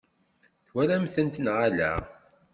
Twalam-tent neɣ ala?